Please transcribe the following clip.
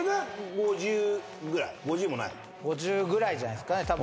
５０ぐらいじゃないですかね。